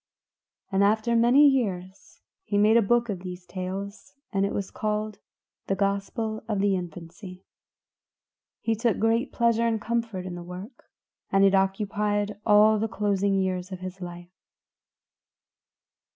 And after many years he made a book of these tales, and it was called "The Gospel of the Infancy." He took great pleasure and comfort in the work, and it occupied all the closing years of his life.